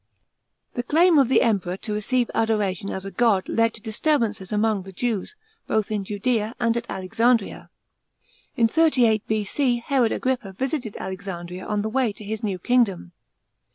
§ 15. The claim of the Ernperor to receive adoration as a god led to disturbances among the Jews, 'both in Judea and at Alexandria. In 38 B.C. Herod Agrippa visited Alexandria on the way to his new kingdom.